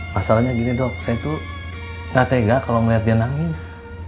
pasalnya gini dok saya tuh gak tega kalau melihat dia nangis